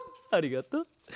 ありがとう。